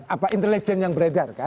apa intelijen yang beredar kan